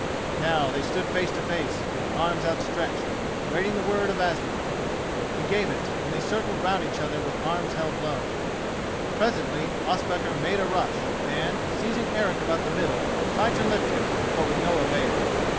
Now they stood face to face, with arms outstretched, waiting the word of Asmund. He gave it and they circled round each other with arms held low. Presently Ospakar made a rush and, seizing Eric about the middle, tried to lift him, but with no avail.